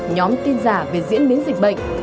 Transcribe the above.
nhóm tin giả về diễn biến dịch bệnh